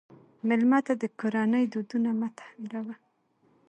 مېلمه ته د کورنۍ دودونه مه تحمیلوه.